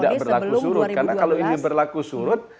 tidak berlaku surut karena kalau ini berlaku surut